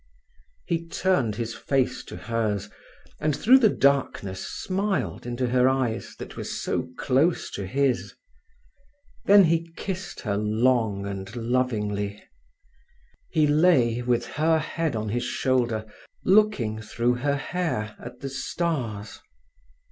He turned his face to hers and through the darkness smiled into her eyes that were so close to his. Then he kissed her long and lovingly. He lay, with her head on his shoulder looking through her hair at the stars.